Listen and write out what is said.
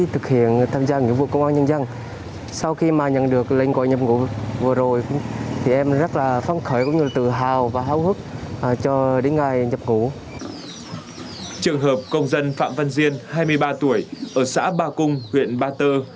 trường hợp công dân phạm văn diên hai mươi ba tuổi ở xã ba cung huyện ba tơ